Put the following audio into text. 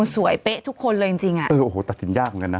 สวยเป๊ะทุกคนเลยจริงจริงอ่ะเออโอ้โหตัดสินยากเหมือนกันนะ